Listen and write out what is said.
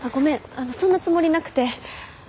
あのそんなつもりなくて。